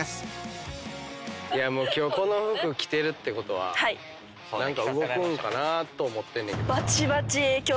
いやもう今日この服着てるってことは何か動くんかなと思ってんねんけど。